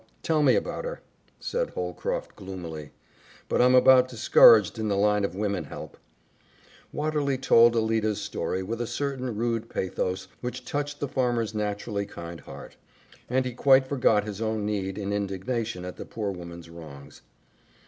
Tell me about her," said Holcroft gloomily. "But I'm about discouraged in the line of women help." Watterly told Alida's story with a certain rude pathos which touched the farmer's naturally kind heart, and he quite forgot his own need in indignation at the poor woman's wrongs.